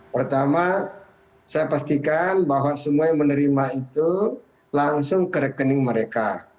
pertama saya pastikan bahwa semua yang menerima itu langsung ke rekening mereka